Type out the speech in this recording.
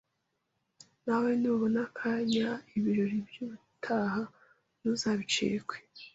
nawe nubona akanya ibirori by’ubutaha ntuzabicikwe